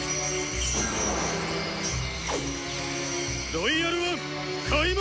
「ロイヤル・ワン」開門！